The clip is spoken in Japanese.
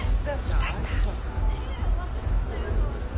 いたいた。